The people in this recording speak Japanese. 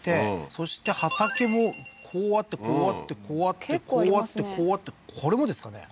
そして畑もこうあってこうあってこうあってこうあってこうあってこれもですかね